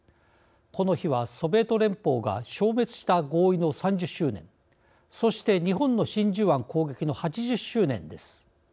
この日はソビエト連邦が消滅した合意の３０周年そして日本の真珠湾攻撃の８０周年です。